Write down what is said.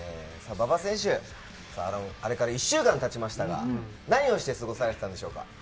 馬場選手、あれから１週間たちましたが、何をして過ごされてたんでしょうか？